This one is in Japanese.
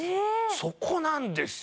そこなんですよ。